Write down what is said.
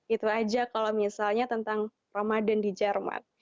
itu aja kalau misalnya tentang ramadan di jerman